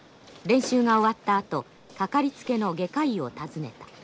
練習が終わったあと掛かりつけの外科医を訪ねた。